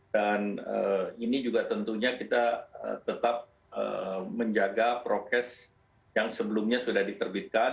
dan ini juga tentunya kita tetap menjaga prokes yang sebelumnya sudah diterbitkan